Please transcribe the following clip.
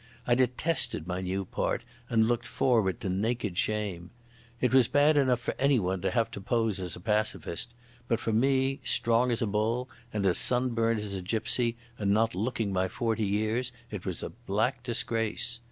I detested my new part and looked forward to naked shame. It was bad enough for anyone to have to pose as a pacifist, but for me, strong as a bull and as sunburnt as a gipsy and not looking my forty years, it was a black disgrace.